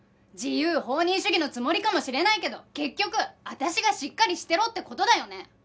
自由放任主義のつもりかもしれないけど結局私がしっかりしてろって事だよね？